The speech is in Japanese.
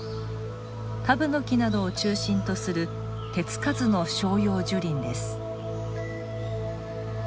タブノキなどを中心とする手付かずの照葉樹林です。